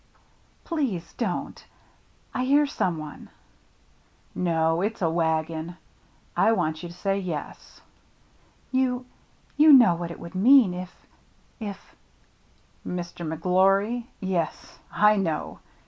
"" Please don't. I hear some one." " No, it's a wagon. I want you to say yes." " You — you know what it would mean if — if—" "If McGlory — Yes, I know.